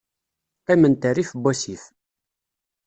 Qqiment rrif n wasif.